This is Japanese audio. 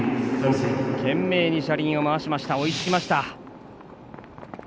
懸命に車輪を回して追いつきました。